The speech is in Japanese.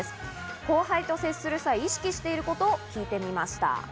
後輩と接する際、意識していることを聞いてみました。